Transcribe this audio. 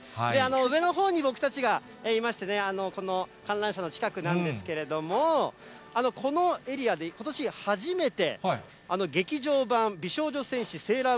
上のほうに僕たちがいましてね、この観覧車の近くなんですけれども、このエリアでことし初めて、劇場版美少女戦士セーラー